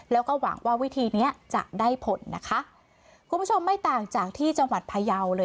แล้วก็หวังว่าวิธีนี้จะได้ผล